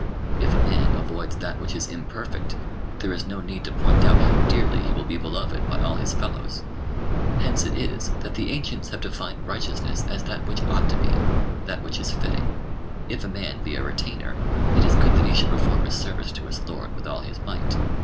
If a man avoids that which is imperfect, there is no need to point out how dearly he will be beloved by all his fellows. Hence it is that the ancients have defined righteousness as that which ought to be that which is fitting. If a man be a retainer, it is good that he should perform his service to his lord with all his might.